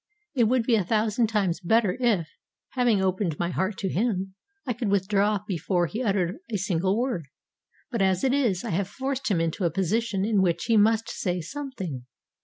It would be a thousand times better if, having opened my heart to him, I could withdraw before he uttered a single word. But as it is, I have forced him into a position in which he must say something.